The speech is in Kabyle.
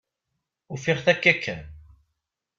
Ufiɣ-t akka kan.